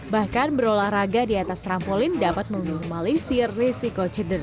bahkan berolahraga di atas trampolin dapat memenuhi mali seer risk